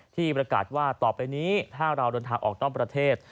ที่ประกาศว่าต่อไปนี้ถ้าเราเดินทางออกนอกประเทศ